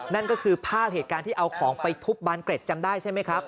นั่นก็คือภาพเหตุการณ์ที่เอาของไปทุบบานเกร็ดจำได้ใช่ไหมครับ